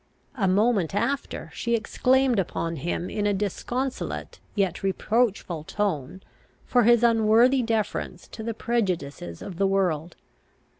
A moment after she exclaimed upon him in a disconsolate, yet reproachful tone, for his unworthy deference to the prejudices of the world.